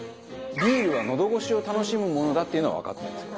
ビールはのど越しを楽しむものだっていうのはわかってるんですよ。